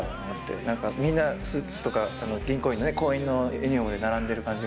なんかみんなスーツとか、銀行員の行員のユニホームを着て並んでる感じで。